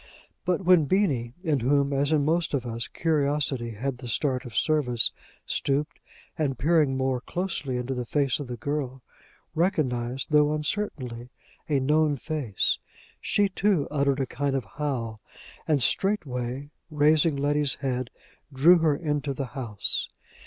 But, when Beenie, in whom, as in most of us, curiosity had the start of service, stooped, and, peering more closely into the face of the girl, recognized, though uncertainly, a known face, she too uttered a kind of howl, and straightway raising Letty's head drew her into the house.